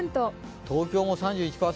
東京も３１％